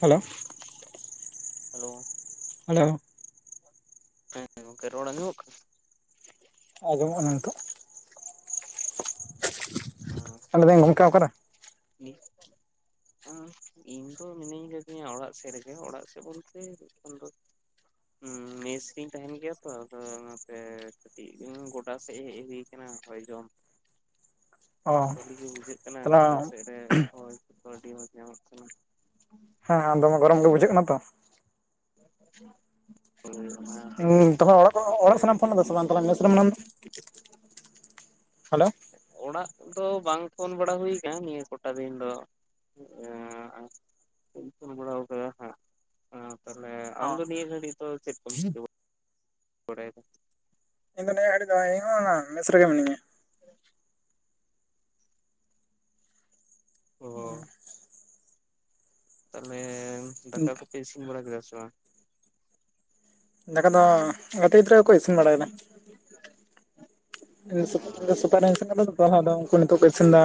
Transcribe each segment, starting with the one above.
Hello hello hello ᱦᱮᱸ ᱜᱚᱢᱠᱮ ᱨᱚᱲ ᱟᱧᱡᱚᱢ ᱚᱜ ᱠᱟᱱᱟ? ᱟᱸᱡᱚᱢᱚᱜᱼᱟ, ᱱᱤᱛᱳᱜ ᱚᱰᱮ ᱦᱚ ᱤᱧ ᱫᱚ ᱢᱤᱱᱟᱹᱧ ᱠᱟᱹᱫᱤᱧᱟ ᱚᱲᱟᱜ ᱥᱮᱫ ᱨᱮᱜᱮ ᱚᱲᱟᱜ ᱥᱮᱫ ᱵᱚᱞᱛᱮ ᱮᱠᱷ ᱫᱚ ᱦᱚ ᱢᱮᱥᱨᱤᱧ ᱛᱟᱦᱮᱱ ᱜᱮᱭᱟ ᱛᱚ᱾ ᱟᱫᱚ ᱚᱱᱟᱛᱮᱽ ᱠᱟᱹᱴᱤᱡ ᱜᱚᱰᱟ ᱥᱮᱫᱮᱡ ᱦᱩᱭ ᱟᱠᱟᱱᱟ᱾ ᱦᱚᱭ ᱡᱚᱢ᱾ [inaudible] ᱵᱷᱟᱹᱞᱤᱜ ᱜᱮ ᱵᱩᱡᱷᱟᱹᱜ ᱠᱟᱱᱟ ᱜᱳᱰᱟ ᱛᱟᱦᱚᱞᱮ ᱥᱮᱫ ᱨᱮ ᱦᱚᱭ ᱦᱟᱹ ᱫᱚ ᱟᱹᱰᱤ ᱢᱚᱡᱽ ᱧᱟᱢᱚᱜ ᱠᱟᱱᱟ᱾ ᱦᱮᱸ ᱫᱚᱢᱮ ᱜᱚᱨᱚᱢ ᱜᱮ ᱵᱩᱡᱷᱟᱹᱜ ᱠᱟᱱᱟ ᱛᱚ᱾ ᱦᱮ ᱦᱮᱸ ᱛᱚᱠᱷᱚᱱ ᱚᱲᱟᱜ ᱚᱲᱟᱜ ᱥᱮᱱᱟᱜᱢ ᱯᱷᱳᱱᱫᱟ ᱥᱮ ᱵᱟᱝ ᱛᱚ ᱵᱮ ᱢᱮᱥ ᱨᱮ ᱢᱮᱱᱟᱢ ᱫᱚ? ᱦᱮᱞᱳ ᱚᱲᱟᱜ ᱫᱚ ᱵᱟᱝ ᱯᱷᱳᱱ ᱵᱟᱲᱟ ᱦᱩᱭ ᱠᱟᱱᱟ ᱱᱤᱭᱟᱹ ᱠᱚᱴᱟ ᱫᱤᱱ ᱫᱚ ᱵᱟᱝ ᱯᱷᱚᱱ ᱵᱟᱲᱟ ᱦᱚᱜ ᱛᱟᱦᱮ ᱚ ᱟᱢ ᱫᱚ ᱱᱤᱭᱟᱹ ᱜᱟᱹᱲᱤᱠ ᱫᱚ ᱪᱮᱫ ᱠᱚᱢ ᱪᱤᱠᱟᱹ ᱵᱟᱲᱟᱭ ᱫᱟ? ᱤᱧ ᱫᱚ ᱱᱤᱭᱟᱹ ᱫᱚ ᱢᱮᱤᱥᱨ ᱜᱮ ᱢᱮᱱᱟᱭᱟ ᱾ [inaudible] ᱚ ᱦᱮᱸ ᱛᱟᱦᱚᱞᱮ ᱫᱟᱠᱟ ᱠᱚᱯᱮ ᱤᱥᱤᱱ ᱵᱟᱲᱟ ᱠᱮᱫᱟ ᱥᱮ ᱵᱟᱝ? ᱫᱟᱠᱟ ᱫᱚ ᱜᱟᱛᱮ ᱜᱤᱫᱽᱨᱟᱹᱠᱚ ᱤᱥᱤᱱ ᱵᱟᱲᱟᱭᱮᱫᱟ᱾ ᱯᱟ ᱥᱯᱟᱤᱧ ᱤᱥᱤᱱ ᱟᱠᱟᱫᱟᱯᱟᱦᱟ ᱫᱚ ᱩᱱᱠᱩ ᱱᱤᱛᱚᱜ ᱠᱚ ᱤᱥᱤᱱ ᱮᱫᱟ᱾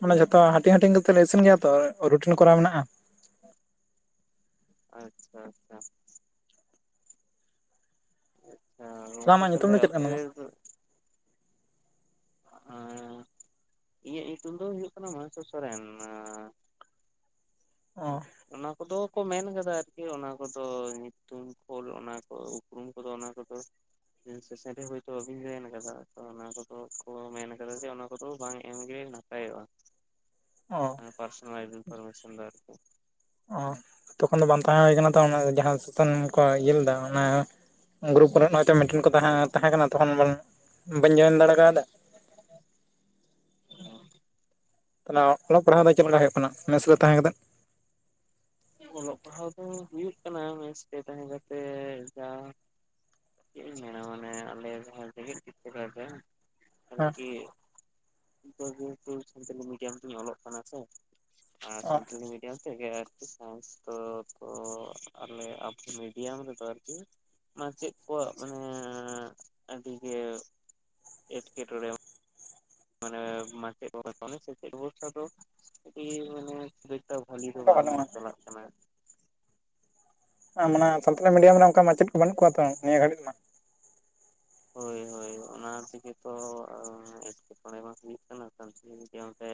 ᱢᱟᱱᱮ ᱡᱷᱚᱛᱚ ᱦᱟᱹᱴᱤᱧ -ᱦᱟᱹᱴᱤᱧ ᱠᱟᱛᱮᱽᱫ ᱞᱮ ᱤᱥᱤᱱ ᱜᱮᱭᱟ ᱛᱚ ᱨᱩᱴᱤᱱ ᱠᱚᱨᱟᱣ ᱢᱮᱱᱟᱜᱼᱟ᱾ ᱟᱪᱪᱷᱟ ᱟᱪᱪᱷᱟ ᱟᱪᱷᱟ ᱜᱚᱝᱠᱮ ᱟᱢᱟᱜ ᱧᱩᱛᱩᱢ ᱛᱟᱦᱚᱞᱮ ᱫᱚ ᱪᱮᱫ ᱠᱟᱱ ᱟᱯᱮ ᱛᱟᱢᱟ [inaudible] ᱤᱧᱟᱹᱜ ᱧᱩᱛᱩᱢ ᱫᱚ ᱦᱩᱭᱩᱜ ᱠᱟᱱᱟ, ᱢᱚᱦᱮᱥᱚᱨ ᱥᱚᱨᱮᱱ᱾ ᱚ ᱚᱱᱟ ᱠᱚᱫᱚ ᱠᱚ ᱢᱮᱱ ᱠᱟᱫᱟ ᱟᱨᱠᱤ ᱚᱱᱟ ᱠᱚᱫᱚ ᱧᱩᱛᱩᱢ ᱠᱳᱞ ᱚᱱᱟ ᱠᱚ ᱩᱯᱨᱩᱢ ᱠᱚᱫᱚ ᱚᱱᱟ ᱠᱚᱫᱚ ᱥᱮᱥᱮᱱ ᱨᱮ ᱦᱳᱭᱛᱳ ᱵᱟᱵᱤᱱ ᱡᱚᱭᱮᱱ ᱠᱟᱫᱟ ᱛᱚ ᱚᱱᱟ ᱠᱚᱫᱚ ᱠᱚ ᱢᱮᱱ ᱠᱟᱫᱟ ᱡᱮ ᱚᱱᱟ ᱠᱚᱫᱚ ᱵᱟᱝ ᱮᱢᱜᱮ ᱱᱟᱯᱟᱭᱚᱜᱼᱟ ᱚ ᱯᱟᱨᱥᱚᱱᱟᱞ ᱤᱱ ᱯᱟᱨᱢᱮᱥᱚᱱ ᱫᱚ ᱟᱨᱠᱤ ᱚ ᱛᱚᱠᱷᱚᱱ ᱫᱚ ᱵᱟᱝ ᱛᱟᱦᱮᱸ ᱦᱩᱭ ᱠᱟᱱᱟ ᱛᱚ ᱡᱟᱦᱟᱸ ᱥᱩᱛᱟᱹᱱ ᱠᱚ ᱤᱭᱟᱹ ᱞᱮᱫᱟ ᱚᱱᱟ ᱴᱮᱱ ᱦᱚᱭᱛᱚ ᱛᱟᱦᱮᱸ ᱠᱟᱱᱟ ᱛᱚᱠᱷᱚᱱ ᱵᱟᱹᱧ ᱡᱚᱭᱮᱱ ᱫᱟᱲᱮ ᱠᱟᱫᱟ ᱦ [unintelligible] ᱛᱟᱦᱚᱞᱮ ᱚᱞᱚᱜ ᱯᱟᱲᱦᱟᱜ ᱫᱚ ᱪᱮᱫ ᱞᱮᱠᱟ ᱦᱩᱭᱩᱜ ᱠᱟᱱᱟ ᱢᱮᱥ ᱨᱮ ᱛᱟᱦᱮᱸ ᱠᱟᱛᱮᱜ ᱚᱞᱚᱜ ᱯᱟᱲᱦᱟᱣ ᱫᱚ ᱦᱩᱭᱩᱜ ᱠᱟᱱᱟ ᱢᱮᱥᱛᱮ ᱛᱟᱦᱮ ᱠᱟᱛᱮ ᱡᱟ ᱪᱮᱫ ᱤᱧ ᱢᱮᱱᱟ ᱢᱟᱱᱮ ᱟᱞᱮ ᱡᱟᱦᱟᱸ ᱨᱮ ᱨᱮ ᱦᱮᱸ ᱟᱨᱠᱤ ᱮᱦᱛᱩ ᱥᱟᱱᱛᱟᱞᱤ ᱢᱤᱰᱤᱭᱟᱢ ᱛᱤᱧ ᱚᱞᱚᱜ ᱠᱟᱱᱟ ᱥᱮ ᱚ ᱥᱟᱱᱛᱟᱞᱤ ᱢᱤᱰᱤᱭᱟᱢ ᱛᱮᱜᱮ ᱥᱟᱭᱮᱱᱥ ᱫᱚ ᱟᱞᱮ ᱟᱨᱠᱤ ᱢᱤᱰᱤᱭᱟᱢ ᱨᱮᱫᱚ ᱟᱨᱠᱤ ᱢᱟᱪᱮᱫ ᱠᱚᱣᱟᱜ ᱢᱟᱱᱮ ᱟᱹᱰᱤᱜᱮ ᱮᱴᱠᱮᱴᱚᱬᱮ ᱢᱟᱱᱮ ᱢᱟᱪᱮᱫ ᱥᱮᱪᱮᱫ ᱵᱷᱚᱨᱥᱟ ᱫᱚ ᱢᱟᱱ ᱛᱚ ᱵᱷᱟᱹᱞᱤ ᱫᱚ ᱚᱱᱠᱟ ᱵᱟᱝ ᱵᱟᱹᱱᱩᱜᱼᱟ ᱦᱩᱭ ᱪᱟᱞᱟᱜ ᱠᱟᱱᱟ ᱢᱟᱱᱮ ᱥᱟᱱᱛᱟᱞᱤ ᱢᱤᱰᱤᱭᱟᱢ ᱨᱮ ᱚᱱᱠᱟ ᱢᱟᱪᱮᱫ ᱠᱚ ᱵᱟᱹᱱᱩᱜ ᱠᱚᱣᱟ ᱛᱚ ᱱᱤᱭᱟᱹ ᱜᱷᱟᱹᱲᱤᱡ ᱢᱟ ᱦᱳᱭ ᱦᱳᱭ ᱚᱱᱟ ᱛᱮᱜᱮᱛᱚ ᱮᱴᱠᱮᱴᱚᱬᱮ ᱢᱟ ᱦᱩᱭᱩᱜ ᱠᱟᱱᱟ ᱥᱟᱱᱛᱟᱞᱤ ᱨᱮ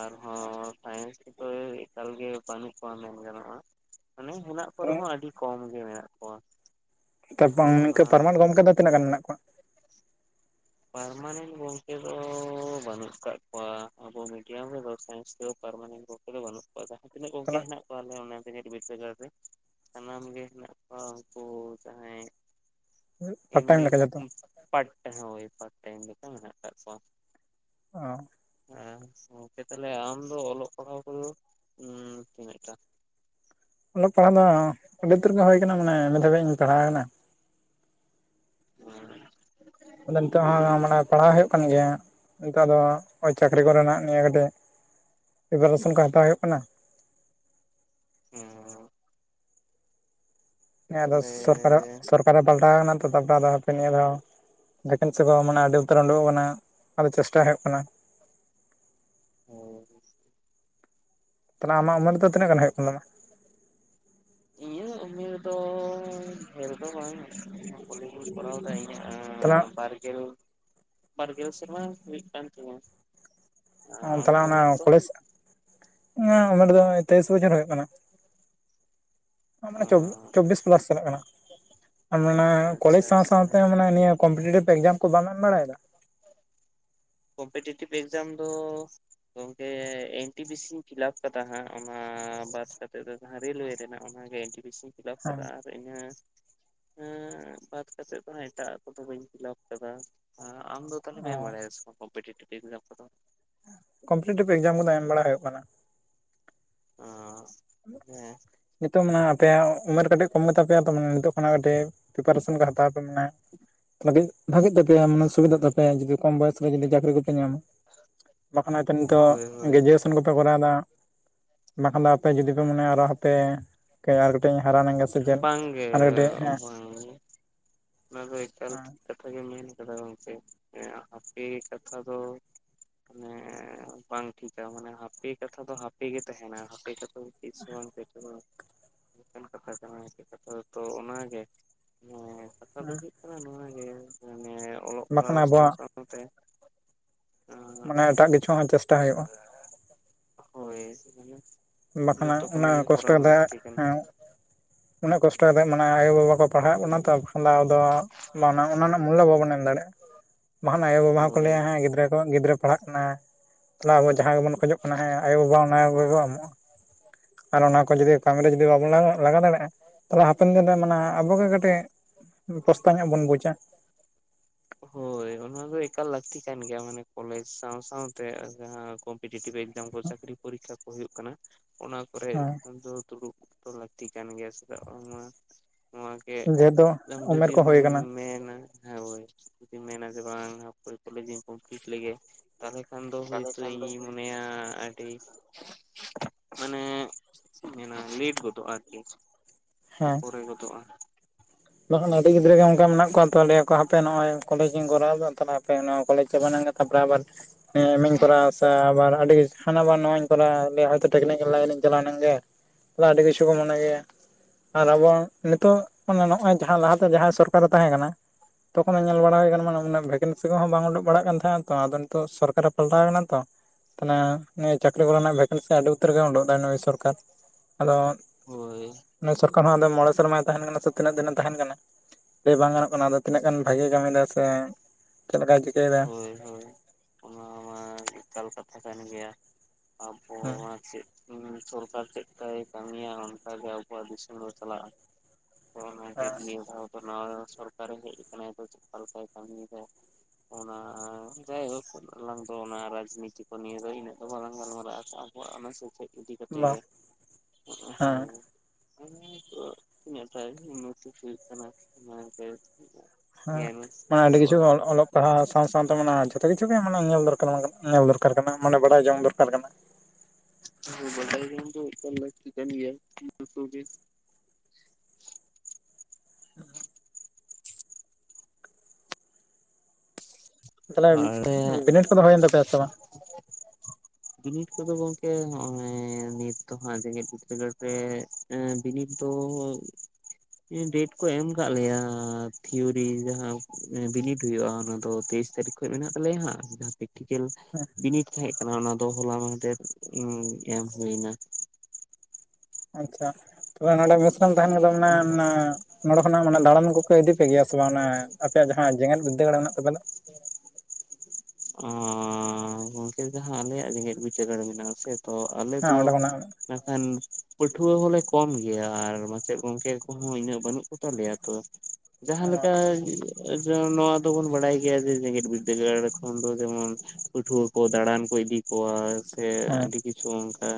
ᱟᱨᱦᱚᱸ ᱥᱟᱭᱮᱱᱥ ᱠᱚᱫᱚ ᱮᱠᱟᱞᱜᱮ ᱵᱟᱹᱱᱩᱜ ᱠᱚᱣᱟ ᱢᱮᱱ ᱜᱟᱱᱚᱜᱼᱟ ᱢᱟᱱᱮ ᱦᱮᱱᱟᱜ ᱠᱚᱨᱮ ᱦᱚᱸ ᱟᱹᱰᱤ ᱠᱚᱢ ᱜᱮ ᱢᱮᱱᱟᱜ ᱠᱚᱣᱟ ᱛᱚ ᱵᱟᱝ ᱚᱱᱟ ᱯᱟᱨᱢᱟᱱᱮᱱᱴ ᱜᱚᱢᱠᱮ ᱦᱚᱛᱮᱡ ᱫᱚ ᱛᱤᱱᱟᱹᱜ ᱛᱮᱜᱮ ᱜᱟᱱ ᱢᱮᱱᱟᱜ ᱠᱚᱣᱟ ᱯᱟᱨᱢᱟᱱᱮᱱᱴ ᱜᱚᱝᱠᱮ ᱫᱚ ᱵᱟᱹᱱᱩᱜ ᱠᱟᱜ ᱠᱚᱣᱟ ᱟᱵᱚ ᱢᱤᱰᱤᱭᱟᱢ ᱨᱮᱫᱚ ᱥᱟᱭᱮᱱᱥ ᱯᱟᱨᱢᱟᱱᱮᱱᱴ ᱜᱚᱝ ᱠᱚ ᱫᱚ ᱵᱟᱹᱱᱩᱜ ᱠᱚᱣᱟ ᱡᱟᱦᱟᱸ ᱛᱤᱱᱟᱹᱜ ᱜᱚᱝᱠᱮ ᱛᱟᱦᱚᱞᱮ ᱦᱮᱱᱟ ᱠᱚᱣᱟ ᱵᱤᱴ ᱥᱟᱹᱜᱟᱲ ᱨᱮ ᱥᱟᱱᱟᱢ ᱜᱮ ᱦᱮᱱᱟᱜ ᱠᱚᱣᱟ ᱩᱱᱠᱩ ᱡᱟᱦᱟᱸᱭ ᱯᱟᱨᱴ ᱴᱟᱭᱤᱢ ᱮᱢᱱᱤ ᱞᱮᱠᱟ ᱡᱚᱛᱚ ᱯᱟᱴ ᱦᱳᱭ ᱯᱟᱴ ᱴᱟᱭᱤᱢ ᱞᱮᱠᱟ ᱢᱮᱱᱟᱜ ᱟᱠᱟᱫ ᱠᱚᱣᱟ ᱚ ᱦᱮᱸ ᱜᱚᱢᱠᱮ ᱛᱟᱦᱚᱞᱮ ᱟᱢ ᱫᱚ ᱚᱞᱚᱜ ᱯᱟᱲᱦᱟᱣ ᱠᱚᱫᱚ ᱩᱸ ᱛᱤᱱᱟᱹᱜ ᱴᱟ ᱚᱞᱚᱜ ᱯᱟᱲᱦᱟᱜ ᱫᱚ ᱟᱹᱰᱤ ᱩᱛᱟᱹᱨ ᱜᱮ ᱦᱩᱭ ᱠᱟᱱᱟ ᱢᱟᱱᱮ ᱮᱢ ᱮ ᱫᱷᱟᱹᱵᱤᱡ ᱤᱧ ᱯᱟᱲᱦᱟᱣ ᱱᱟ ᱟᱫᱚ ᱱᱮᱛᱟᱨ ᱫᱚ ᱱᱚᱜᱼᱭ ᱪᱟᱹᱠᱨᱤ ᱠᱚᱨᱮᱱᱟᱜ ᱜᱮ ᱠᱟᱹᱴᱤᱡ ᱯᱤᱯᱟᱨᱮᱥᱚᱱ ᱠᱚ ᱦᱟᱛᱟᱣ ᱦᱩᱭᱩᱜ ᱠᱟᱱᱟ ᱦᱮᱸ ᱦᱮᱸ ᱟᱫᱚ ᱛᱟᱦᱚᱞᱮ ᱥᱚᱨᱠᱟᱨ ᱥᱚᱨᱠᱟᱨᱮ ᱯᱟᱞᱴᱟᱣ ᱠᱟᱱᱟ ᱛᱚ ᱛᱟᱨᱯᱚᱨᱮ ᱟ ᱦᱟᱯᱮ ᱱᱤᱭᱟᱹ ᱫᱷᱟᱣ ᱵᱷᱮᱠᱮᱱᱥᱤ ᱠᱚ ᱢᱟᱱᱮ ᱟᱹᱰᱤ ᱩᱛᱟᱹᱨ ᱩᱰᱩᱠᱚᱜ ᱠᱟᱱᱟ ᱟᱫᱚ ᱪᱮᱥᱴᱟᱭ ᱦᱩᱭᱩᱜ ᱠᱟᱱᱟ ᱦᱸ [unintelligible] ᱛᱟᱦᱞᱮ ᱟᱢᱟᱜ ᱩᱢᱮᱨ ᱫᱚ ᱛᱱᱟᱹᱜ ᱜᱟᱱ ᱦᱩᱭᱩᱜᱼᱟ ᱤᱧᱟᱹᱜ ᱩᱢᱮᱨ ᱫᱚ ᱫᱚ ᱵᱟᱝ ᱠᱚᱞᱡᱽᱤᱧ ᱠᱚᱨᱟᱣᱫᱟ ᱤᱧᱟᱹᱜ ᱮᱸ ᱛᱟᱢᱟ ᱵᱟᱨᱜᱮᱞ ᱵᱟᱨᱜᱮᱞ ᱥᱮᱨᱢᱟ ᱢᱤᱫ ᱠᱟᱱ ᱛᱤᱧᱟᱹ ᱛᱟᱦᱞᱮ ᱟᱢᱟᱜ ᱚᱱᱟ ᱩᱢᱮᱨ ᱫᱚ? ᱠᱚᱞᱮᱡᱽ ᱩᱢᱮᱨ ᱫᱚ ᱛᱮᱭᱤᱥ ᱵᱚᱪᱷᱚᱨ ᱦᱩᱭᱩᱜ ᱠᱟᱱᱟ ᱢᱟᱱᱮ ᱪᱚ ᱪᱚᱵᱽᱵᱤᱥ ᱯᱞᱟᱥ ᱪᱟᱞᱟᱜ ᱠᱟᱱᱟ ᱢᱟᱱᱮ ᱠᱚᱞᱮᱡᱽ ᱟᱪᱪᱷᱟ ᱥᱟᱶ ᱟᱪᱪᱷᱟ ᱥᱟᱶᱛᱮ ᱢᱟᱱᱮ ᱱᱤᱭᱟᱹ ᱠᱚᱢᱯᱤᱴᱮᱴᱤᱵᱷ ᱮᱠᱡᱟᱢ ᱠᱚ ᱵᱟᱢ ᱮᱢ ᱵᱟᱲᱟᱭᱮᱫᱟ ᱠᱚᱢᱯᱤᱴᱮᱴᱤᱵᱷ ᱮᱠᱡᱟᱢ ᱫᱚ ᱜᱚᱝᱠᱮ ᱮᱱ ᱴᱤ ᱯᱤ ᱥᱤᱧ ᱯᱷᱤᱞᱟᱯ ᱠᱟᱫᱟ ᱦᱟᱸᱜ ᱚᱱᱟ ᱵᱟᱥ ᱠᱟᱛᱮ ᱫᱚ ᱡᱟᱦᱟᱸ ᱨᱮᱹᱞᱳᱣᱮ ᱨᱮᱱᱟᱜ ᱚᱱᱟᱜᱮ ᱮᱱᱴᱤᱯᱤᱥᱤᱧ ᱯᱷᱤᱞᱟᱯ ᱦᱮᱸ ᱠᱟᱫᱟ ᱟᱨ ᱤᱱᱟᱹ ᱵᱟᱫ ᱠᱟᱛᱮᱫ ᱫᱚ ᱦᱟᱸᱜ ᱮᱴᱟᱜ ᱠᱚᱫᱚ ᱵᱟᱹᱧ ᱯᱷᱤᱞᱟᱯ ᱠᱟᱫᱟ ᱟᱢ ᱫᱚ ᱛᱟᱦᱞᱮᱢ ᱮᱢ ᱵᱟᱬᱟᱭ ᱫᱟ ᱥᱮᱵᱟᱝ ᱠᱚᱢᱯᱤᱴᱮᱴᱤᱵᱷ ᱮᱠᱡᱟᱢ ᱠᱚᱫᱚ ᱠᱚᱢᱯᱤᱴᱮᱴᱤᱵᱷ ᱮᱠᱡᱟᱢ ᱠᱚᱫᱚ ᱮᱢ ᱵᱟᱲᱟ ᱦᱩᱭᱩᱜ ᱠᱟᱱᱟ ᱚ ᱱᱤᱛᱚᱝ ᱢᱟᱱᱮ ᱟᱯᱮᱭᱟᱜ ᱩᱢᱮᱨ ᱠᱟᱹᱴᱤᱡ ᱠᱚᱢ ᱜᱮᱛᱟᱯᱮᱭᱟ ᱛᱚ ᱱᱤᱛᱳᱜ ᱠᱷᱚᱱᱟᱜ ᱠᱟᱹᱴᱤᱡ ᱯᱨᱤᱯᱟᱨᱮᱥᱮᱱ ᱠᱚ ᱦᱟᱛᱟᱣ ᱯᱮ ᱢᱟᱱᱮ ᱞᱟᱹᱜᱤᱫ ᱵᱷᱟᱜᱤᱜ ᱛᱟᱯᱮᱭᱟ ᱢᱮ ᱥᱩᱵᱤᱫᱟᱜ ᱛᱟᱯᱮᱭᱟ ᱡᱩᱫᱤ ᱠᱚᱢ ᱵᱚᱭᱮᱥ ᱨᱮ ᱡᱩᱫᱤ ᱪᱟᱹᱠᱨᱤ ᱠᱚᱯᱮ ᱧᱟᱢᱟ᱾ ᱵᱟᱠᱷᱟᱱᱯᱮ ᱱᱤᱛᱚᱜ ᱦᱳᱭ ᱦᱳᱭ ᱜᱨᱮᱡᱩᱭᱮᱥᱚᱱ ᱠᱚᱯᱮ ᱠᱚᱨᱟᱣᱮ ᱫᱟ ᱵᱟᱠᱷᱟᱱ ᱫᱚ ᱟᱯᱮ ᱡᱩᱫᱤ ᱡᱟᱱᱮ ᱟᱨᱚ ᱦᱟᱯᱮ ᱠᱟᱹᱡ ᱟᱨ ᱠᱟᱹᱴᱤᱡ ᱤᱧ ᱦᱟᱨᱟᱮᱱᱱ ᱜᱮᱭᱟ ᱥᱮ ᱪᱮᱫ ᱵᱟᱝᱜᱮ ᱟᱨ ᱠᱟᱹᱴᱤᱡ ᱦᱮ [inaudible] ᱵᱟᱝ ᱚᱱᱟ ᱫᱚ ᱮᱠᱟᱞ ᱴᱷᱤᱠ ᱠᱟᱛᱷᱟ ᱜᱮ ᱢᱮᱱ ᱠᱟᱫᱟ ᱜᱚᱢᱠᱮ ᱦᱟᱯᱮ ᱠᱟᱛᱷᱟ ᱫᱚ ᱢᱟᱱᱮ ᱵᱟᱝ ᱴᱷᱤᱠᱟ ᱢᱟᱱᱮ ᱦᱟᱯᱮ ᱠᱟᱛᱷᱟ ᱫᱚ ᱦᱟᱯᱮ ᱜᱮ ᱛᱟᱦᱮᱱᱟ ᱦᱟᱯᱮ ᱠᱟᱛᱷᱟ [unintelligible] ᱠᱟᱱ ᱠᱟᱛᱷᱟ ᱠᱟᱱᱟ ᱪᱮᱫ ᱠᱟᱛᱷᱟ ᱛᱚ ᱚᱱᱟᱜᱮ ᱟᱫᱚ ᱦᱩᱭᱩᱜ ᱠᱟᱱᱟ ᱱᱚᱣᱟ ᱜᱮ ᱢᱟᱱᱮ ᱚᱞᱚᱜ ᱵᱟᱠᱷᱟᱱ ᱯᱟᱲᱦᱟᱣ ᱥᱟᱶ ᱟᱵᱚᱣᱟᱜ ᱥᱟᱶᱛᱮ ᱢᱟᱱᱮ ᱮᱴᱟᱜ ᱠᱤᱪᱷᱩ ᱦᱚᱸ ᱪᱮᱥᱴᱟ ᱦᱩᱭᱩᱜᱼᱟ᱾ ᱦᱳᱭ ᱵᱟᱠᱷᱟᱱ ᱡᱚᱛᱚ ᱠᱟᱹᱢᱤ ᱩᱱᱟᱹᱜ ᱜᱮ ᱠᱚᱥᱴᱚ ᱠᱚᱨᱟᱣ ᱠᱟᱛᱮᱫ ᱞᱟᱹᱠᱛᱤ ᱠᱟᱱᱟ᱾ ᱦᱮᱸ ᱩᱱᱟᱹᱜ ᱠᱚᱥᱴᱚᱛᱮᱫ ᱢᱟᱱᱮ ᱟᱭᱳ ᱵᱟᱵᱟ ᱠᱚ ᱯᱟᱲᱦᱟᱜ ᱠᱟᱱᱟ ᱛᱚ ᱚᱱᱟ ᱨᱮᱱᱟᱜ ᱢᱩᱞᱞᱚ ᱵᱟᱵᱚᱱ ᱮᱢ ᱫᱟᱲᱮᱭᱟᱜᱼᱟ᱾ ᱵᱟᱱ ᱟᱭᱳᱼᱵᱟ ᱦᱚᱸᱠᱚ ᱦᱳᱭ ᱞᱟᱹᱭᱟ ᱦᱟᱸᱜ ᱜᱤᱫᱽᱨᱟᱹ ᱜᱤᱫᱽᱨ ᱠᱚ ᱯᱟᱲᱦᱟᱜ ᱠᱟᱱᱟ ᱛᱟ ᱟᱵᱩ ᱡᱟᱦᱟᱸ ᱜᱮᱵᱩᱱ ᱠᱷᱚᱡᱚᱜ ᱠᱟᱱᱟ ᱦᱮᱸ ᱟᱭᱳ ᱵᱟᱵᱟ ᱚᱱᱟ ᱠᱚᱜᱮ ᱵᱳ ᱮᱢᱚᱜᱼᱟ᱾ ᱟᱨ ᱚᱱᱟ ᱠᱚ ᱡᱩᱫᱤ ᱠᱟᱢᱤ ᱨᱮ ᱡᱩᱫᱤ ᱵᱟᱵᱩᱱ ᱞᱟᱜᱟᱣ ᱫᱟᱲᱮᱭᱟᱜᱼᱟ ᱛᱟᱦᱚᱞᱮ ᱦᱟᱯᱮᱱ ᱫᱤᱱᱨᱮ ᱢᱟᱱᱮ ᱦᱟᱸᱜ ᱟᱵᱩᱜᱮ ᱠᱟᱹᱴᱤᱡ ᱯᱚᱥᱛᱟ ᱧᱚᱜ ᱵᱩᱱ ᱵᱩᱡᱟ᱾ ᱦᱳᱭ ᱚᱱᱟ ᱫᱚ ᱮᱠᱟᱞ ᱞᱟᱹᱠᱛᱤ ᱠᱟᱱ ᱜᱮᱭᱟ ᱢᱟᱱᱮ ᱠᱚᱞᱮᱡᱽ ᱥᱟᱶ ᱥᱟᱶᱛᱮ ᱠᱚᱢᱯᱤᱴᱤᱵᱮᱞ ᱡᱟᱦᱟᱸ ᱪᱟᱹᱠᱨᱤ ᱯᱚᱨᱤᱠᱷᱟ ᱠᱚ ᱦᱩᱭᱩᱜ ᱠᱟᱱᱟ ᱚᱱᱟ ᱠᱚᱨᱮ ᱦᱮᱸ ᱫᱚ ᱫᱩᱲᱩᱵ ᱞᱟᱹᱠᱛᱤ ᱠᱟᱱ ᱜᱮᱭᱟ ᱪᱮᱫᱟᱜ ᱵᱟᱝ ᱢᱟ ᱱᱚᱣᱟ ᱜᱮ ᱡᱮᱦᱮᱛᱩ ᱫᱚ ᱩᱢᱮᱨ ᱡᱩᱫᱤᱢ ᱠᱚ ᱦᱩᱭ ᱟᱠᱟᱱᱟ ᱢᱮᱱᱼᱟ ᱦᱮᱸ ᱵᱳᱭ ᱡᱩᱫᱤᱧ ᱢᱮᱱᱟ ᱡᱮ ᱵᱟᱝ ᱦᱟᱹᱯᱟᱹᱭ ᱠᱚᱞᱮᱡ ᱤᱧ ᱠᱚᱢᱯᱤᱞᱤᱴ ᱞᱮᱜᱮ ᱛᱟᱦᱚᱞᱮ ᱠᱷᱟᱱ ᱫᱚ ᱦᱳᱭᱛᱩ ᱤᱧ ᱤᱧ ᱢᱚᱱᱮᱭᱟ ᱟᱹᱰᱤ ᱢᱟᱱᱮ ᱢᱮᱱᱟ ᱞᱤᱴ ᱜᱚᱫᱚᱜᱼᱟ ᱟᱨ ᱠᱤ ᱦᱮᱸ ᱯᱚᱨᱮ ᱜᱚᱫᱚᱜᱼᱟ᱾ ᱵᱟᱠᱷᱟᱱ ᱟᱹᱰᱤ ᱜᱤᱫᱽᱨᱟᱹ ᱜᱮ ᱚᱱᱠᱟ ᱢᱮᱱᱟᱜ ᱠᱚᱣᱟ ᱛᱚ ᱱᱤᱭᱟᱹ ᱠᱚ ᱦᱟᱯᱮ ᱱᱚᱜᱼᱚᱭ ᱠᱚᱞᱮᱡᱽ ᱤᱧ ᱠᱚᱨᱟᱣᱫᱟ ᱛᱟᱦᱮ ᱦᱟᱯᱮ ᱚᱱᱟ ᱠᱚᱞᱮᱡᱽ ᱪᱟᱵᱟᱞᱮᱱ [unintelligible] ᱠᱚᱨᱟᱣ [unintelligible] ᱟᱵᱟᱨ ᱟᱹᱰᱤ ᱦᱟᱱᱟ ᱟᱵᱟᱨ ᱱᱚᱣᱟᱧ ᱠᱚᱨᱟᱣ ᱴᱮᱠᱱᱤᱠᱮᱞ ᱞᱟᱭᱤᱱᱧ ᱪᱟᱞᱟᱣ ᱮᱱᱟᱝ ᱜᱮ ᱟᱹᱰᱤ ᱢᱚᱱᱮ ᱜᱮᱭᱟ ᱟᱨ ᱟᱵᱚᱣᱟᱜ ᱱᱤᱛᱚᱜ ᱱᱚᱜᱼᱚᱭ ᱡᱟᱦᱟᱸ ᱞᱟᱦᱟ ᱛᱮ ᱡᱟᱦᱟᱸᱭ ᱥᱚᱨᱠᱟᱨ ᱨᱮ ᱛᱟᱦᱮᱸ ᱠᱟᱱᱟ ᱛᱚᱠᱷᱚᱱᱮ ᱧᱮᱞ ᱵᱟᱲᱟ ᱦᱩᱭ ᱠᱟᱱᱟ ᱵᱟᱝᱟ ᱢᱟᱱᱮ ᱩᱱᱟᱹᱜ ᱵᱷᱮᱠᱮᱱᱥᱤ ᱠᱚᱦᱚᱸ ᱵᱟᱝ ᱩᱰᱩᱜ ᱵᱟᱲᱟᱜ ᱠᱟᱱ ᱛᱟᱦᱮᱸᱱᱟ ᱛᱚ ᱟᱫᱚ ᱱᱤᱛᱚᱜ ᱥᱚᱨᱠᱟᱨ ᱨᱮ ᱯᱟᱞᱴᱟᱣ ᱟᱠᱟᱱᱟ ᱛᱚ ᱛᱟᱦᱞᱮ ᱱᱤᱭᱟᱹ ᱪᱟᱹᱠᱨᱤ ᱠᱚᱨᱮᱱᱟᱜ ᱵᱷᱮᱠᱮᱱᱥᱤ ᱟᱹᱰᱤ ᱩᱛᱟᱹᱨ ᱜᱮ ᱩᱰᱩ ᱫᱟᱭ ᱱᱩᱭ ᱥᱚᱨᱠᱟᱨ ᱟᱫᱚ ᱦᱳᱭ ᱱᱩᱭ ᱥᱚᱨᱠᱟᱨ ᱦᱚᱸ ᱢᱚᱬᱮᱸ ᱥᱮᱨᱢᱟᱭ ᱛᱟᱦᱮᱸᱱ ᱠᱟᱱᱟ ᱛᱤᱱᱟᱹᱜ ᱫᱤᱱᱮ ᱛᱟᱦᱮᱸᱱ ᱠᱟᱱᱟ ᱞᱟᱹᱭ ᱵᱟᱝ ᱜᱟᱱᱚᱜ ᱠᱟᱱ ᱚᱱᱟ ᱫᱚ ᱛᱤᱱᱟᱹᱜ ᱜᱟᱱ ᱵᱷᱟᱜᱤᱭ ᱠᱟᱹᱢᱤᱭ ᱫᱟ ᱥᱮ ᱪᱮᱫ ᱞᱮᱠᱟᱭ ᱪᱤᱠᱟᱹᱭ ᱮᱫᱟ ᱦᱳᱭ ᱦᱳᱭ ᱚᱱᱟ ᱢᱟᱸ ᱮᱠᱟᱞ ᱠᱟᱛᱷᱟ ᱠᱟᱱ ᱜᱮᱭᱟ ᱟᱵᱚ ᱦᱮᱸ ᱚᱱᱟ ᱪᱮᱫ ᱥᱚᱨᱠᱟᱨ ᱴᱷᱮᱫ ᱠᱟᱭ ᱠᱟᱹᱢᱤᱭᱟ ᱚᱱᱠᱟ ᱜᱮ ᱟᱵᱚᱣᱟᱜ ᱫᱤᱥᱚᱢ ᱫᱚ ᱪᱟᱞᱟᱜᱼᱟ᱾ ᱚᱱᱟ ᱜᱮ ᱱᱤᱭᱟᱹᱫᱷᱟᱣ ᱫᱚ ᱱᱟᱣᱟ ᱥᱚᱨᱠᱟᱨᱮ ᱦᱮᱡ ᱠᱟᱱᱟᱭᱮ ᱛᱚ ᱪᱮᱫ ᱢᱟᱢᱤᱭ ᱫᱟᱭ ᱚᱱᱟ ᱡᱟᱭ ᱦᱳᱠ ᱟᱞᱟᱝ ᱫᱚ ᱚᱱᱟ ᱨᱟᱡᱽ ᱱᱤᱛᱤ ᱠᱚ ᱱᱤᱭᱟᱹ ᱫᱚ ᱤᱱᱟᱹᱜ ᱫᱚ ᱵᱟᱞᱟᱝ ᱜᱟᱞᱢᱟᱨᱟᱣᱼᱟ᱾ ᱚᱱᱟ ᱥᱩᱨ ᱠᱷᱮ ᱤᱫᱤ ᱠᱟᱛᱮ ᱜᱮ ᱵᱟᱝ ᱦᱮᱸ ᱦᱮᱸ ᱱᱟ [unintelligible] ᱦᱮᱸ ᱢᱟᱱᱮ ᱟᱹᱰᱤ ᱠᱤᱪᱷᱩ ᱜᱮ ᱚᱞᱚᱜ ᱯᱟᱲᱦᱟᱜ ᱥᱟᱶ ᱥᱟᱶ ᱛᱮ ᱢᱟᱱᱮ ᱡᱚᱛᱚ ᱠᱤᱪᱷᱩ ᱜᱮ ᱢᱟᱱᱮ ᱧᱮᱞ ᱫᱚᱨᱠᱟᱨ ᱧᱮᱞ ᱫᱚᱨᱠᱟᱨ ᱚᱠᱟ ᱞᱮᱠᱟ ᱱᱟᱜ ᱢᱟᱱᱮ ᱵᱟᱲᱟᱭ ᱡᱚᱝ ᱫᱚᱨᱠᱟᱨ ᱠᱟᱱᱟ ᱵᱟᱰᱟᱭ ᱡᱚᱝ ᱫᱚ ᱮᱠᱟᱞ ᱞᱟᱹᱠᱛᱤ ᱠᱟᱱ ᱜᱮᱭᱟ [unintelligible] [inaudible] ᱛᱟᱦᱚᱞᱮ ᱟᱨ ᱵᱤᱱᱤᱰ ᱠᱚᱫᱚ ᱦᱩᱭᱮᱱ ᱛᱟᱯᱮᱭᱟ ᱥᱮ ᱵᱟᱝ? ᱵᱤᱱᱤᱰ ᱠᱚᱫᱚ ᱜᱚᱝᱠᱮ ᱱᱚᱜᱼᱚᱭ ᱱᱤᱛ ᱫᱚ ᱦᱟᱸᱜ ᱡᱮᱜᱮᱛ ᱵᱤᱫᱽᱫᱟᱹᱜᱟᱲ ᱨᱮ ᱵᱤᱱᱤᱰ ᱫᱚ [unintelligible] ᱰᱮᱴ ᱠᱚ ᱮᱢ ᱠᱟᱜ ᱞᱮᱭᱟ ᱛᱷᱤᱭᱩᱨᱤ ᱡᱟᱦᱟᱸ ᱵᱤᱱᱤᱰ ᱦᱩᱭᱩᱜᱼᱟ ᱚᱱᱟ ᱫᱚ ᱛᱤᱥ ᱛᱟᱹᱨᱤᱠᱷ ᱠᱷᱚᱡ ᱢᱮᱱᱟᱜ ᱛᱟᱞᱮᱭᱟ ᱦᱟᱸᱜ ᱢᱟᱦᱟᱸ ᱯᱮᱨᱴᱤᱠᱮᱞ ᱵᱤᱱᱤᱰ ᱛᱟᱦᱮᱸ ᱠᱟᱱᱟ ᱚᱱᱟ ᱫᱚ ᱫᱚ ᱦᱚᱞᱟ ᱢᱟᱱᱫᱷᱮᱨ ᱮᱢ ᱦᱩᱭ ᱮᱱᱟ ᱟᱪᱷᱟ ᱛᱚ ᱚᱱᱟᱵᱮ ᱱᱚᱰᱮ ᱢᱤᱥᱨᱟᱢ ᱛᱟᱦᱮᱸᱱ ᱠᱟᱱᱟ ᱢᱟᱱᱮ ᱱᱟ ᱱᱚᱸᱰᱮ ᱠᱷᱚᱱᱟᱜ ᱢᱟᱱᱮ ᱫᱟᱬᱟᱱ ᱠᱚ ᱠᱚ ᱤᱫᱤ ᱯᱮ ᱜᱮᱭᱟ ᱥᱮ ᱵᱟᱝᱼᱟ ᱚᱱᱟ ᱟᱯᱮᱭᱟᱜ ᱡᱟᱦᱟᱸ ᱡᱮᱜᱮᱛ ᱵᱤᱫᱽᱫᱟᱹᱜᱟᱲ ᱢᱮᱱᱟᱜ ᱛᱟᱯᱮ ᱫᱚ ᱚᱦ ᱜᱚᱢᱠᱮ ᱡᱟᱦᱟᱸ ᱟᱞᱮᱭᱟᱜ ᱡᱮᱜᱮᱸᱛ ᱵᱤᱫᱟᱹᱜᱟᱲ ᱢᱮᱱᱟᱜᱼᱟ ᱥᱮ ᱛᱚ ᱟᱞᱮ ᱦᱮᱸ ᱫᱚ ᱚᱸᱰᱮ ᱠᱷᱚᱱᱟᱜ ᱢᱮᱱ ᱠᱷᱟᱱ ᱯᱟᱹᱴᱷᱩᱣᱟᱹ ᱦᱚᱞᱮ ᱠᱚᱢ ᱜᱮᱭᱟ ᱟᱨ ᱢᱟᱪᱮᱫ ᱜᱚᱝᱠᱮ ᱠᱚᱦᱚᱸ ᱩᱱᱟᱹᱜ ᱵᱟᱹᱱᱩᱜ ᱠᱩ ᱛᱟᱞᱮᱭᱟ ᱛᱚ ᱡᱟᱦᱟᱸ ᱦᱮᱸ ᱞᱮᱠᱟ ᱱᱚᱣᱟ ᱫᱚᱵᱚᱱ ᱵᱟᱰᱟᱭ ᱜᱮᱭᱟ ᱡᱮ ᱡᱮᱜᱮᱸᱛ ᱵᱤᱨᱫᱟᱹᱜᱟᱲ ᱠᱷᱚᱱ ᱫᱚ ᱡᱮᱢᱚᱱ ᱯᱟᱹᱴᱷᱩᱣᱟᱹ ᱠᱚ ᱫᱟᱬᱟᱱ ᱠᱚ ᱤᱫᱤ ᱠᱚᱣᱟ ᱥᱮ ᱟᱹᱰᱤ ᱠᱤᱪᱷᱩ ᱚᱱᱠᱟ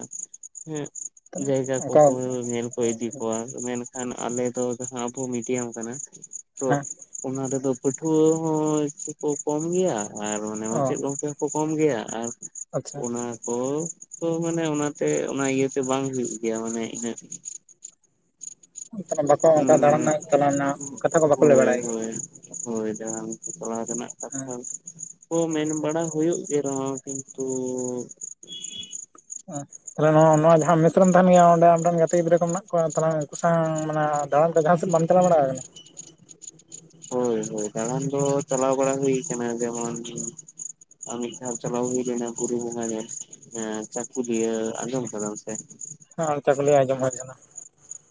ᱦᱮᱸᱜ ᱡᱟᱭᱜᱟ ᱚᱱᱠᱟ ᱠᱚᱠᱚ ᱧᱮᱞ ᱠᱚ ᱤᱫᱤ ᱠᱚᱣᱟ ᱢᱮᱱ ᱠᱷᱟᱱ ᱟᱞᱮ ᱫᱚ ᱡᱟᱦᱟᱸ ᱟᱵᱩ ᱢᱤᱰᱤᱭᱟᱢ ᱠᱟᱱᱟ ᱛᱚ ᱦᱮᱸ ᱚᱱᱟ ᱨᱮᱫᱚ ᱯᱟᱹᱴᱷᱩᱣᱟᱹ ᱦᱚᱸ ᱪᱤ ᱠᱚ ᱠᱚᱢ ᱜᱮᱭᱟ ᱟᱨ ᱢᱟᱱᱮ ᱚ ᱢᱟᱪᱮᱫ ᱜᱚᱝᱠᱮ ᱦᱚᱸ ᱠᱚ ᱠᱚᱢ ᱜᱮᱭᱟ ᱟᱨ ᱟᱪᱪᱷᱟ ᱚᱱᱟ ᱠᱚ ᱛᱚ ᱢᱟᱱᱮ ᱚᱱᱟᱛᱮ ᱚᱱᱟ ᱤᱭᱟᱹᱛᱮ ᱵᱟᱝ ᱦᱩᱭᱩᱜ ᱜᱮᱭᱟ ᱢᱟᱱᱮ ᱤᱱᱟᱹᱜ ᱵᱟᱠᱚ ᱚᱱᱠᱟ ᱫᱟᱬᱟᱱ ᱨᱮᱱᱟᱜ ᱪᱟᱞᱟᱣ ᱨᱮᱱᱟᱜ ᱠᱟᱛᱷᱟ ᱠᱚ ᱵᱟᱠᱚ ᱞᱟᱹᱭ ᱦᱳᱭ ᱵᱟᱲᱟᱭ ᱜᱮᱭᱟ ᱦᱳᱭ ᱦᱳᱭ ᱡᱟ ᱪᱟᱞᱟᱣ ᱨᱮᱱᱟᱜ ᱦᱮᱸ ᱠᱟᱛᱷᱟ ᱚ ᱢᱮᱱ ᱵᱟᱲᱟ ᱦᱩᱭᱩᱜ ᱜᱮ ᱨᱮᱦᱚᱸ ᱠᱤᱱᱛᱩ ᱛᱟᱦᱮ ᱱᱚᱣᱟ ᱡᱟᱦᱟᱸ ᱢᱮᱥᱨᱮ ᱛᱟᱦᱮᱱ ᱜᱮᱭᱟ ᱚᱸᱰᱮ ᱯᱢᱚᱱ ᱜᱟᱛᱮ ᱜᱤᱫᱽᱨᱟᱹ ᱠᱚ ᱢᱮᱱᱟᱜ ᱠᱚᱣᱟ ᱛᱟᱦᱮ ᱩᱱᱠᱩ ᱥᱟᱶ ᱢᱮ ᱫᱟᱬᱟᱱ ᱡᱟᱦᱟᱸ ᱥᱮᱫ ᱵᱟᱢ ᱪᱟᱞᱟᱣ ᱵᱟᱲᱟ ᱟᱠᱟᱱᱟ ᱦᱳᱭ ᱦᱳᱭ ᱫᱟᱲᱟᱱ ᱫᱚ ᱪᱟᱞᱟᱣ ᱵᱟᱲᱟ ᱦᱩᱭ ᱠᱟᱱᱟ ᱡᱮᱢᱚᱱ ᱟᱨ ᱢᱤᱫᱷᱟᱣ ᱪᱟᱞᱟᱣ ᱦᱩᱭᱱᱟ ᱵᱩᱨᱩ ᱵᱳᱝᱜᱟ ᱧᱮᱞ ᱪᱟᱹᱠᱩᱞᱤᱭᱟᱹ ᱟᱡᱚᱢ ᱟᱠᱟᱫᱟᱢ ᱥᱮ ᱦᱮᱸ ᱪᱟᱹᱠᱞᱤᱭᱟᱹᱧ ᱟᱸᱡᱚᱢ ᱠᱟᱜ ᱛᱟᱦᱮᱱᱟ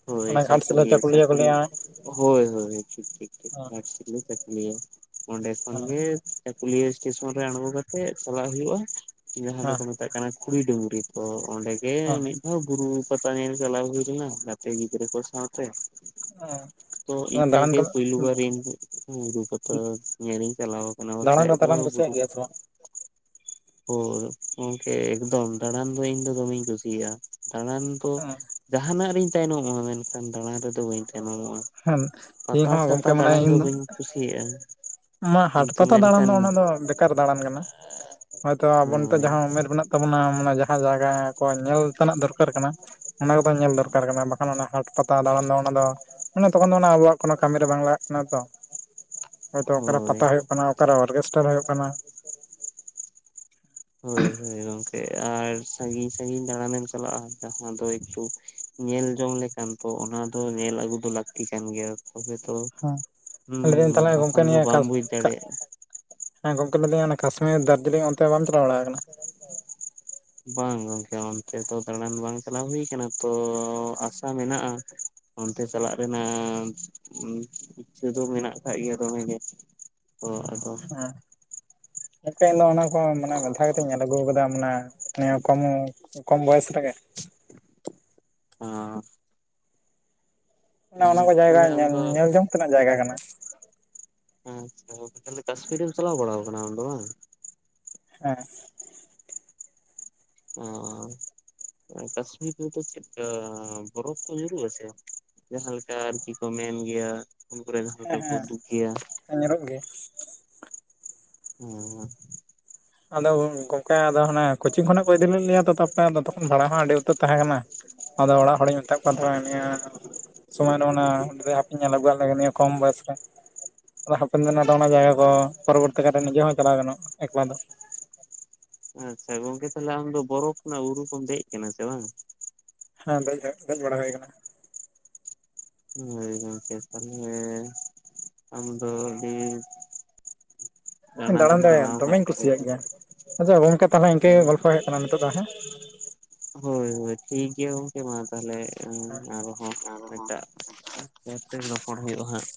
ᱦᱚᱭ ᱪᱟᱹᱠᱩᱞᱤᱭᱟᱹ ᱪᱟᱠᱩᱞᱤᱭᱟᱹ ᱦᱮᱸ ᱦᱚᱭ ᱦᱚᱭ ᱴᱷᱤᱠ ᱴᱷᱤᱠ ᱜᱷᱟᱴᱥᱤᱞᱟᱹ ᱪᱟᱹᱠᱩᱞᱤᱭᱟᱹ ᱚᱸᱰᱮ ᱠᱷᱚᱱᱜᱮ ᱦᱮᱸ ᱪᱟᱹᱠᱩᱞᱤᱭᱟᱹ ᱥᱴᱮᱥᱚᱱ ᱨᱮ ᱟᱬᱜᱚ ᱠᱟᱛᱮᱫ ᱪᱟᱞᱟᱜ ᱦᱩᱭᱩᱜᱼᱟ ᱡᱟᱦᱟᱸ ᱫᱚᱠᱚ ᱢᱮᱛᱟᱜ ᱠᱟᱱᱟ ᱠᱷᱩᱲᱤ ᱰᱩᱝᱨᱤ ᱠᱚ ᱚᱸᱰᱮᱜᱮ ᱦᱮᱸ ᱢᱤᱫ ᱫᱷᱟᱣ ᱵᱩᱨᱩ ᱯᱟᱛᱟ ᱧᱮᱞ ᱪᱟᱞᱟᱣ ᱦᱩᱭ ᱞᱮᱱᱟ ᱜᱟᱛᱮ ᱜᱤᱫᱽᱨᱟᱹ ᱠᱚ ᱥᱟᱶᱛᱮ ᱚ ᱛᱚ ᱤᱱᱟᱹᱜᱮ ᱯᱳᱭᱞᱩ ᱵᱟᱨ ᱤᱧ ᱵᱩᱨᱩ ᱯᱟᱛᱟ ᱧᱮᱞᱤᱧ ᱪᱟᱞᱟᱣ ᱠᱟᱱᱟ ᱫᱟᱬᱟᱱ ᱵᱟᱠᱷᱟᱡ ᱫᱚ ᱛᱟᱞᱟᱢ ᱚ ᱵᱩᱨᱩ ᱠᱩᱥᱤᱭᱟᱜ ᱜᱮᱭᱟ [unintelligible] [inaudible] ᱦᱚ ᱜᱚᱝᱠᱮ ᱮᱠᱫᱚᱢ ᱫᱟᱬᱟᱱ ᱫᱚ ᱤᱧ ᱫᱚ ᱫᱚᱢᱮᱧ ᱠᱩᱥᱤᱭᱟᱜᱼᱟ ᱫᱟᱬᱟᱱ ᱫᱚ ᱡᱟᱦᱟᱱᱟᱜ ᱨᱤᱧ ᱛᱟᱭᱱᱚᱢ ᱢᱮᱱᱠᱷᱟᱱ ᱫᱟᱲᱟᱱ ᱨᱮᱫᱚ ᱵᱟᱹᱧ ᱚᱜᱼᱟ ᱦᱮᱸ ᱤᱧ ᱯᱟᱛᱟ ᱦᱚᱸ ᱪᱷᱟᱛᱟ ᱜᱚᱢᱠᱮ ᱢᱟᱱᱮ ᱫᱟᱬᱟᱱ ᱤᱧ ᱫᱚ ᱵᱟᱹᱧ ᱠᱩᱥᱤᱭᱟᱜᱼᱟ ᱢᱟ ᱦᱟᱴ ᱠᱤᱱᱛᱩ ᱯᱟᱛᱟ ᱫᱟᱬᱟᱱ ᱢᱮᱱᱠᱷᱟᱱ ᱫᱚ ᱚᱱᱟ ᱫᱚ ᱵᱮᱠᱟᱨ ᱫᱟᱬᱟᱱ ᱠᱟᱱᱟ ᱦᱳᱭᱛᱚ ᱟᱵᱚ ᱱᱤᱛᱚᱜ ᱦᱳᱭ ᱡᱟᱦᱟᱸ ᱩᱢᱮᱨ ᱢᱮᱱᱟᱜ ᱛᱟᱵᱚᱱᱟ ᱡᱟᱸᱦᱟ ᱡᱟ ᱧᱮᱞ ᱛᱮᱱᱟᱜ ᱫᱚᱨᱠᱟᱨ ᱠᱟᱱᱟ ᱚᱱᱟ ᱠᱚᱫᱚ ᱧᱮᱞ ᱫᱚᱨᱠᱟᱨ ᱠᱟᱱᱟ ᱵᱟᱠᱷᱟᱱ ᱚᱱᱟ ᱦᱟᱴ ᱯᱟᱛᱟ ᱫᱟᱬᱟᱱ ᱫᱟ ᱚᱱᱟ ᱢᱟᱱᱮ ᱛᱚᱠᱷᱚᱱ ᱫᱚ ᱟᱵᱚᱣᱟᱜ ᱠᱳ ᱠᱟᱹᱢᱤᱨᱮ ᱵᱟᱝ ᱞᱟᱜᱟᱜ ᱠᱟᱱᱟ ᱛᱚ ᱦᱚᱭᱛᱚ ᱚᱠᱟᱨᱮ ᱦᱳᱭ ᱯᱟᱛᱟ ᱦᱩᱭᱩᱜ ᱠᱟᱱᱟ ᱚᱠᱟᱨᱮ ᱚᱨᱠᱮᱥᱴᱟᱨ ᱦᱩᱭᱩᱜ ᱠᱟᱱᱟ ᱦᱳᱭ ᱦᱳᱭ ᱜᱚᱝᱠᱮ ᱟᱨ ᱥᱟᱺᱜᱤᱧ ᱥᱟᱜᱤᱧ ᱫᱟᱲᱟ ᱫᱟᱽᱱᱮᱢ ᱪᱟᱞᱟᱜᱼᱟ ᱡᱟᱦᱟᱸ ᱫᱚ ᱮᱠᱴᱩ ᱧᱮᱞ ᱡᱚᱝ ᱞᱮᱠᱟᱱ ᱛᱚ ᱚᱱᱟ ᱫᱚ ᱧᱮᱞ ᱟᱹᱜᱩ ᱫᱚ ᱞᱟᱹᱠᱛᱤ ᱠᱟᱱᱟ ᱜᱮᱭᱟ ᱛᱚᱵᱮ ᱛᱚ ᱦᱮᱸ ᱦᱮ ᱞᱟᱹᱭᱫᱟᱹᱧ ᱛᱟᱦᱚᱞᱮ ᱜᱚᱢᱠᱮ ᱵᱟᱠᱷᱟᱱ ᱫᱚ ᱱᱤᱭᱟᱹ ᱵᱟᱢ ᱵᱩᱡᱽ ᱫᱟᱲᱮᱭᱟᱜᱼᱟ ᱞᱟᱹᱭᱟ ᱠᱟᱥᱢᱤᱨ ᱫᱟᱨᱡᱤᱞᱤᱝ ᱚᱱᱛᱮ ᱵᱟᱢ ᱪᱟᱞᱟᱣ ᱵᱟᱲᱟ ᱟᱠᱟᱱᱟ ᱵᱟᱝ ᱜᱚᱝᱠᱮ ᱚᱱᱛᱮ ᱫᱚ ᱫᱟᱬᱟᱱ ᱵᱟᱝ ᱪᱟᱞᱟᱣ ᱦᱩᱭ ᱠᱟᱱᱟ ᱛᱚᱸ ᱟᱥᱟ ᱢᱮᱱᱟᱜᱼᱟ ᱚᱱᱛᱮ ᱪᱟᱞᱟᱜ ᱨᱮᱱᱟᱜ ᱤᱪᱷᱟᱹ ᱫᱚ ᱢᱮᱱᱟᱜ ᱠᱟᱜ ᱜᱮᱭᱟ ᱫᱚᱢᱮᱜᱮ ᱚ ᱟᱫᱚ ᱦᱮᱸ ᱤᱧ ᱫᱚ ᱚᱱᱟ ᱠᱚ ᱢᱮ ᱢᱮᱛᱷᱟ ᱠᱟᱛᱮᱧ ᱧᱮᱞ ᱟᱹᱜᱩ ᱟᱠᱟᱫᱟ ᱢᱟᱱᱮ ᱱᱤᱭᱟᱹ ᱠᱚᱢ ᱠᱚᱢ ᱵᱚᱭᱚᱥ ᱨᱮᱜᱮ ᱚᱸ ᱚᱱᱮ ᱦᱮᱸ ᱚᱱᱟ ᱠᱚ ᱛᱟᱦᱮ ᱡᱟᱭᱜᱟ ᱧᱮᱞ ᱟᱢᱫᱚ ᱧᱮᱞ ᱡᱚᱝ ᱛᱮᱱᱟᱜ ᱡᱟᱭᱜᱟ ᱠᱟᱱᱟ [unintelligible] ᱪᱟᱦᱮ ᱠᱟᱥᱯᱤᱨᱢ ᱪᱟᱞᱟᱣ ᱵᱟᱲᱟ ᱟᱠᱟᱱᱟ ᱟᱢ ᱫᱚ ᱵᱟᱝ? ᱦᱮ ᱚ ᱠᱟᱥᱢᱤᱨ ᱨᱮ ᱪᱚ ᱵᱚᱨᱯᱷ ᱠᱚ ᱡᱟᱹᱨᱩ ᱟᱜ ᱥᱮ ᱡᱟᱦᱟᱸᱞᱮ ᱞᱮᱠᱟ ᱟᱨᱠᱤ ᱠᱚ ᱢᱮᱱ ᱜᱮᱭᱟ᱾ ᱯᱷᱚᱱ ᱠᱚᱨᱮ ᱡᱟᱦᱟᱸ ᱞᱮᱠᱟ ᱵᱚᱱ ᱦᱮᱸ ᱩᱫᱩᱠ ᱜᱮᱭᱟ᱾ ᱦᱮᱸ ᱧᱮᱞᱚᱜ ᱜᱮ ᱦᱚᱸ ᱟᱫᱚ ᱜᱚᱝᱠᱮ ᱟᱫᱚ ᱦᱟᱱᱮ ᱠᱳᱪᱤᱝ ᱠᱷᱚᱱᱟᱜ ᱠᱚ ᱤᱫᱤ ᱞᱮᱫ ᱞᱮᱭᱟ ᱛᱯᱚᱨᱮ ᱛᱚᱠᱷᱚᱱ ᱵᱷᱟᱲᱟ ᱦᱚᱸ ᱟᱹᱰᱤ ᱩᱛᱟᱹᱨ ᱛᱟᱦᱮᱸ ᱠᱟᱱᱟ᱾ ᱟᱫᱚ ᱚᱲᱟᱜ ᱦᱚᱲᱤᱧ ᱢᱮᱛᱟᱫ ᱠᱟᱱ ᱛᱟᱦᱮᱱᱟ ᱱᱤᱭᱟᱹ ᱥᱚᱢᱚᱭ ᱨᱮ ᱚᱱᱟ ᱦᱟᱯᱧᱮᱞ ᱞᱮ ᱠᱚᱢ ᱵᱚᱭᱚᱥ ᱨᱮ ᱚᱱᱟ ᱡᱟᱭᱜᱟ ᱠᱚᱨᱚᱵᱚᱨᱛᱤ ᱠᱟᱨᱮᱤᱡᱮ ᱦᱚᱸ ᱪᱟᱞᱟᱣ ᱜᱟᱱᱚᱜ ᱮᱠᱞᱟ ᱫᱚ ᱟᱪᱪᱷᱟ ᱜᱚᱝᱠᱮ᱾ ᱛᱟᱦᱞᱮ ᱟᱢ ᱫᱚ ᱵᱚᱨᱚᱯᱷ ᱨᱮᱱᱟᱜ ᱵᱩᱨᱩ ᱠᱚᱢ ᱫᱮᱡ ᱟᱠᱟᱱᱟ ᱥᱮ ᱵᱟᱝ? ᱦᱮᱸ ᱫᱮᱡ ᱫᱮᱡ ᱵᱟᱲᱟ ᱦᱩᱭ ᱠᱟᱱᱟ᱾ ᱦᱮᱸ ᱪᱟᱞᱮᱸ ᱟᱢ ᱫᱚ ᱰᱤ ᱫᱟᱬᱟᱱ ᱫᱟᱲᱮ ᱫᱚᱢᱮᱧ ᱠᱩᱥᱤᱭᱟᱜ ᱜᱮᱭᱟ ᱟᱪᱪᱷᱟ ᱜᱚᱝᱠᱮ ᱛᱟᱦᱚᱞᱮ ᱤᱱᱠᱟᱹᱜ ᱜᱮ ᱜᱚᱞᱯᱚ ᱦᱮᱡ ᱠᱟᱱᱟ ᱱᱤᱛᱚᱜ ᱫᱚ ᱦᱮᱸ ᱚ ᱦᱳᱭ ᱦᱳᱭ ᱴᱷᱤᱠ ᱜᱮᱭᱟ ᱜᱚᱝᱠᱮ ᱢᱟ ᱛᱟᱦᱚᱞᱮ ᱟᱨᱦᱚᱸ ᱮᱴᱟᱜᱛᱮ ᱨᱚᱯᱚᱲ ᱦᱩᱭᱩᱜᱼᱟ ᱦᱟᱸᱜ